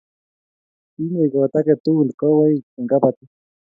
Tinyei koot age tugul kowoik eng' kabatit